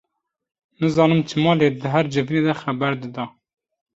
Nizanim çima lê di her civînê de xeber dida.